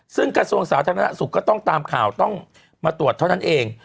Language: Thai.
ซึ่งกระทรวงสาธารณสุขก็ต้องตามข่าวต้องมาตรวจเท่านั้นเอง